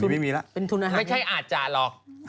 ไม่ใช่อาจจะหรอก